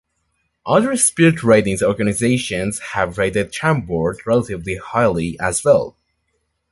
Other spirit ratings organizations have rated Chambord relatively highly as well.